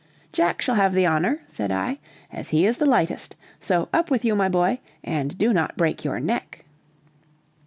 "Jack shall have the honor," said I, "as he is the lightest; so up with you, my boy, and do not break your neck."